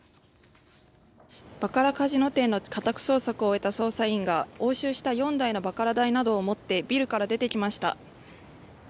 バカラカジノ店の家宅捜索を終えた捜査員が押収した４台のバカラ台などを持ってビルから出てきました。